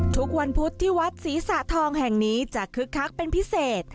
ทุกวันพุธที่วัดศรีสะทองแห่งนี้จะคึกคักเป็นพิเศษ